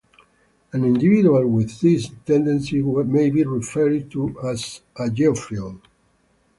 An individual with these tendencies may be referred to as a geophile.